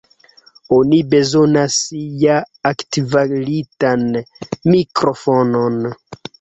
Oni bezonas ja altkvalitan mikrofonon.